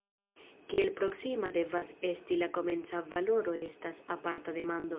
Kiel proksima devas esti la komenca valoro estas aparta demando.